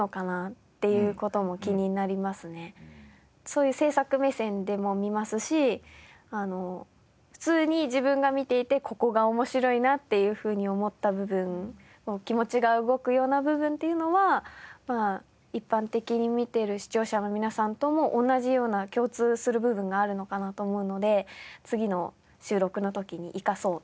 そういう制作目線でも見ますし普通に自分が見ていて「ここが面白いな」っていうふうに思った部分気持ちが動くような部分っていうのは一般的に見てる視聴者の皆さんとも同じような共通する部分があるのかなと思うので。